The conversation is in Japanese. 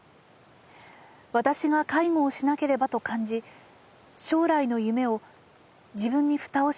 私が介護をしなければと感じ将来の夢を自分に蓋をしてきた。